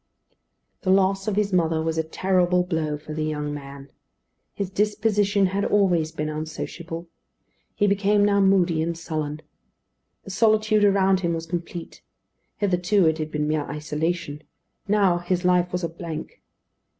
The loss of his mother was a terrible blow for the young man. His disposition had always been unsociable; he became now moody and sullen. The solitude around him was complete. Hitherto it had been mere isolation; now his life was a blank.